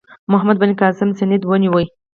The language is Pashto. محمد بن قاسم سند ونیو.